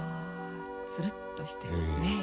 つるっとしてますね。